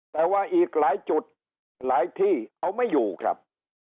แต่ว่าอีกหลายจุดหลายที่เอาไม่อยู่ครับ